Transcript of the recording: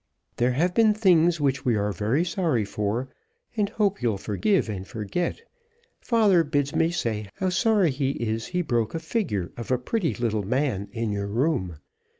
There have been things which we are very sorry for, and hope you'll forgive and forget. Father bids me say how sorry he is he broke a figure of a pretty little man in your room.